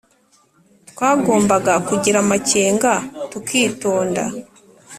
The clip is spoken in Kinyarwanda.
Twagombaga kugira amakenga tukitonda